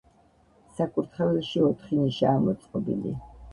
საკურთხეველში ოთხი ნიშაა მოწყობილი.